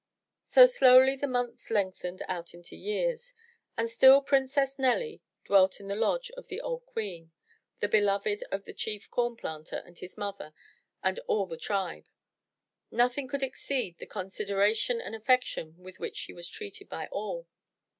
So, slowly the months lengthened out into years, and still Princess Nelly dwelt in the lodge of the Old Queen, the beloved of Chief Corn Planter, and his mother, and all the tribe. Nothing could exceed the consideration and affection with which she was treated by all.